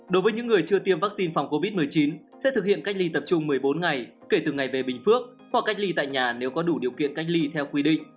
đối với những người chưa tiêm vaccine phòng covid một mươi chín sẽ thực hiện cách ly tập trung một mươi bốn ngày kể từ ngày về bình phước hoặc cách ly tại nhà nếu có đủ điều kiện cách ly theo quy định